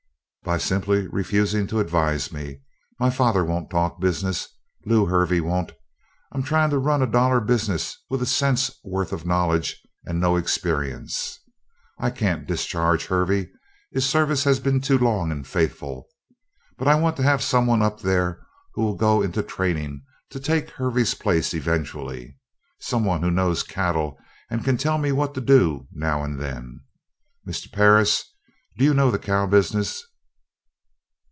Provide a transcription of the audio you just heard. "By simply refusing to advise me. My father won't talk business. Lew Hervey won't. I'm trying to run a dollar business with a cent's worth of knowledge and no experience. I can't discharge Hervey; his service has been too long and faithful. But I want to have someone up there who will go into training to take Hervey's place eventually. Someone who knows cattle and can tell me what to do now and then. Mr. Perris, do you know the cow business?"